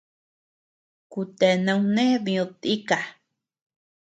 Kutea nauné did tika.